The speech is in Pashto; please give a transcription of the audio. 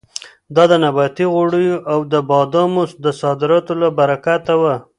دا د نباتي غوړیو او د بادامو د صادراتو له برکته وه.